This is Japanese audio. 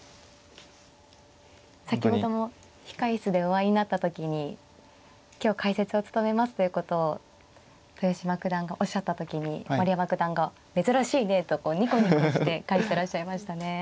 先ほども控え室でお会いになった時に今日解説を務めますということを豊島九段がおっしゃった時に丸山九段が「珍しいね」とこうニコニコして返してらっしゃいましたね。